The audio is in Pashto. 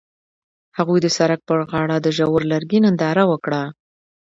هغوی د سړک پر غاړه د ژور لرګی ننداره وکړه.